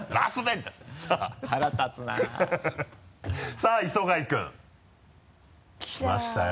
さぁ磯貝君。来ましたよ